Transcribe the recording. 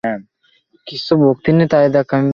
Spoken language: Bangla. তুই এতো অশ্লীল কখন থেকে হয়ে গেলি?